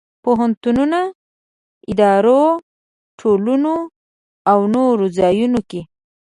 پوهنتونونو، ادارو، ټولنو او نور ځایونو کې.